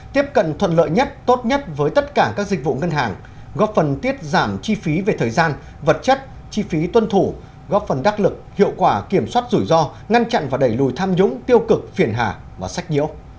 tiếp cận thuận lợi nhất tốt nhất với tất cả các dịch vụ ngân hàng góp phần tiết giảm chi phí về thời gian vật chất chi phí tuân thủ góp phần đắc lực hiệu quả kiểm soát rủi ro ngăn chặn và đẩy lùi tham nhũng tiêu cực phiền hà và sách nhiễu